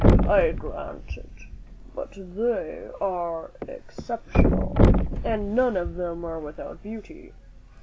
"I grant it; but they are exceptional; and none of them are without beauty."